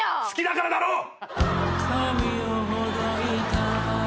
好きだからだろ！